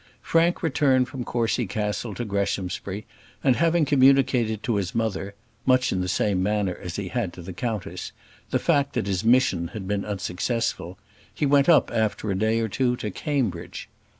Frank returned from Courcy Castle to Greshamsbury, and having communicated to his mother much in the same manner as he had to the countess the fact that his mission had been unsuccessful, he went up after a day or two to Cambridge.